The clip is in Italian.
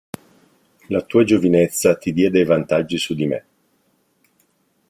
La tua giovinezza ti dia dei vantaggi su di me.